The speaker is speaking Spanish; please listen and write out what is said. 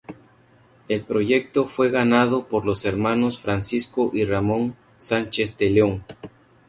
El proyecto fue ganado por los hermanos Francisco y Ramón Sánchez de León.